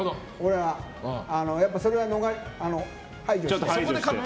それは排除して。